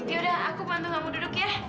yaudah aku bantu kamu duduk ya